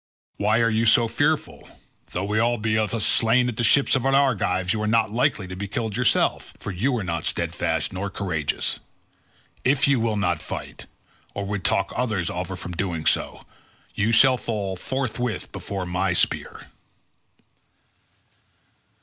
Why are you so fearful? Though we be all of us slain at the ships of the Argives you are not likely to be killed yourself, for you are not steadfast nor courageous. If you will not fight, or would talk others over from doing so, you shall fall forthwith before my spear."